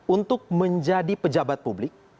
untuk menjadi pejabat publik